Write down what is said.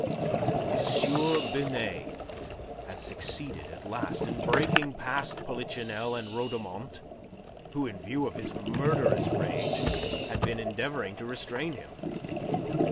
M. Binet had succeeded at last in breaking past Polichinelle and Rhodomont, who in view of his murderous rage had been endeavouring to restrain him.